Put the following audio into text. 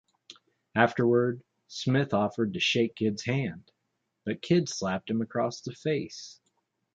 Afterward, Smith offered to shake Kidd's hand, but Kidd slapped him across the face.